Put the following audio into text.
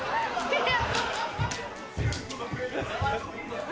ハハハ。